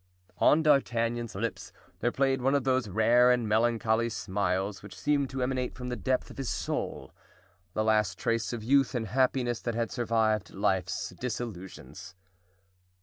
On D'Artagnan's lips there played one of those rare and melancholy smiles which seemed to emanate from the depth of his soul—the last trace of youth and happiness that had survived life's disillusions.